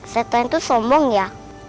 setan itu sombong ya